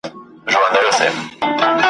چي عزت ساتلای نه سي د بګړیو ,